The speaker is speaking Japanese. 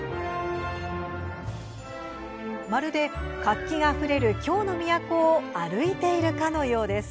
まるで、活気あふれる京の都を歩いているかのようです。